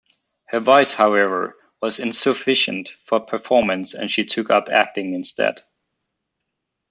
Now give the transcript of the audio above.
Her voice however was insufficient for performance and she took up acting instead.